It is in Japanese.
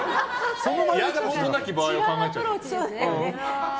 やんごとなき場合を考えちゃって。